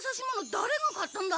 だれが買ったんだ？